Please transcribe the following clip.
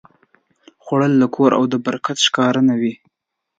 خوړل د کور د برکت ښکارندویي ده